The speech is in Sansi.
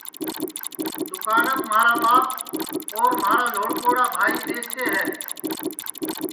دؔوکاناپ مھارا ٻاپ اور مھارا لھوڑکوڑا بھائی ٻیستے ہے